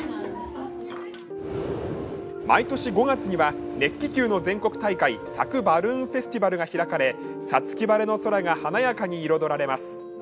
毎年５月には、熱気球の全国大会「佐久バルーンフェスティバル」が開かれ、五月晴れの空が華やかに彩られます。